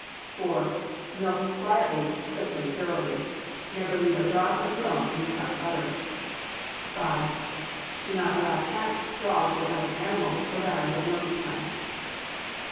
4. Milk quietly, quickly, thoroughly. Never leave a drop of milk in the cow's udder. 5. Do not allow cats, dogs, or other animals around at milking time.